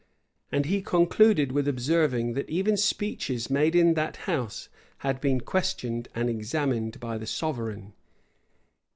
And he concluded with observing, that even speeches made in that house had been questioned and examined by the sovereign.